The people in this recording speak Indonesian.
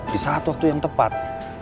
di saat waktu yang tepat